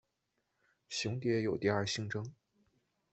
雄蝶有第二性征。